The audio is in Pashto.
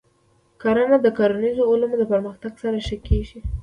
کرنه د کرنیزو علومو د پرمختګ سره ښه کېږي.